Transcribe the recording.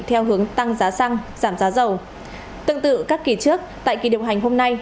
theo hướng tăng giá xăng giảm giá dầu tương tự các kỳ trước tại kỳ điều hành hôm nay